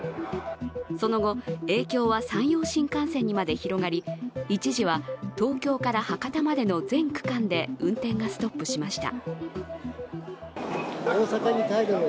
その後、影響は山陽新幹線にまで広がり、一時は、東京から博多までの全区間で運転がストップしました。